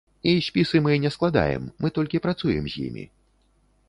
І спісы мы не складаем, мы толькі працуем з імі.